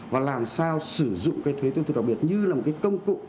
và làm sao sử dụng cái thuế tiêu thụ đặc biệt như là một cái công cụ